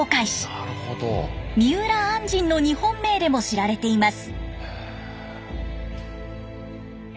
三浦按針の日本名でも知られています。